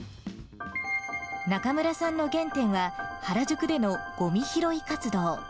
中村さんの原点は、原宿でのごみ拾い活動。